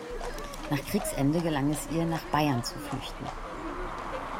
Nach Kriegsende gelang es ihr, nach Bayern zu flüchten.